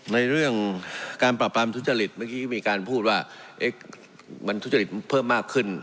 ในเรื่องการปรับปรามทุจริตเมื่อกี้ก็มีการพูดว่ามันทุจริตเพิ่มมากขึ้น